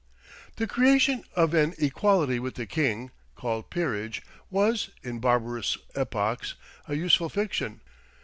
The creation of an equality with the king, called Peerage, was, in barbarous epochs, a useful fiction.